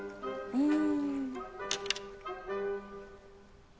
うん。